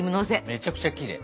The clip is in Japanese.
めちゃくちゃきれい。